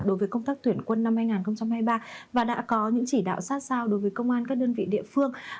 đối với công tác tuyển quân năm hai nghìn hai mươi ba và đã có những chỉ đạo sát sao đối với công an các đơn vị địa phương